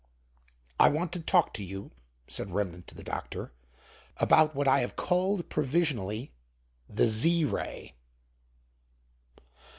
"I want to talk to you," said Remnant to the doctor, "about what I have called provisionally, the Z Ray."